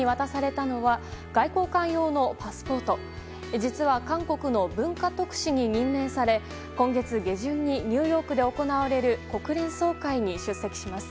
実は、韓国の文化特使に任命され今月下旬にニューヨークで行われる国連総会に出席します。